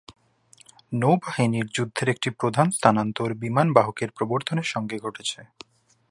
নৌবাহিনী যুদ্ধের একটি প্রধান স্থানান্তর বিমান বাহকের প্রবর্তনের সঙ্গে ঘটেছে।